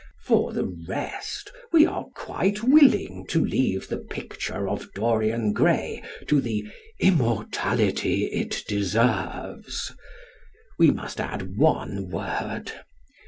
For the rest, we are quite willing to leave "The Picture of Dorian Gray" to the "immortality it deserves." We must add one word.